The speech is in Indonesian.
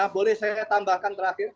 boleh saya tambahkan terakhir